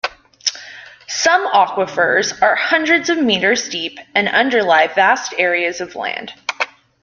Some aquifers are hundreds of meters deep and underlie vast areas of land.